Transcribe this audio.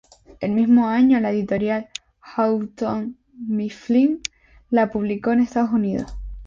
El mismo año, la editorial Houghton Mifflin la publicó en Estados Unidos.